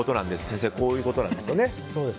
先生、こういうことなんですよね。